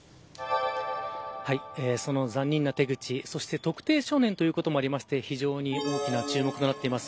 残忍な手口、特定少年ということもあって非常に大きな注目となっています